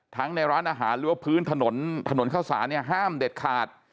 ทั้งในร้านอาหารหรือว่าพื้นถนนข้าวสารห้ามเด็ดขาด